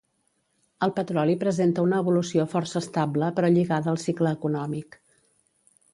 El petroli presenta una evolució força estable però lligada al cicle econòmic.